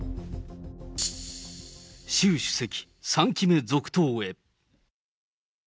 習主席、３期目続投へ。